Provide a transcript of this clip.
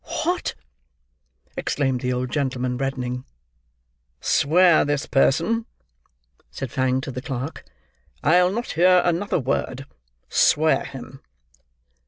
"What!" exclaimed the old gentleman, reddening. "Swear this person!" said Fang to the clerk. "I'll not hear another word. Swear him."